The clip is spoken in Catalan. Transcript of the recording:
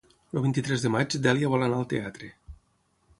El vint-i-tres de maig na Dèlia vol anar al teatre.